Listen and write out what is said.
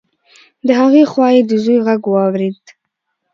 د هغې خوا يې د زوی غږ واورېد.